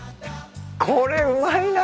これうまいな。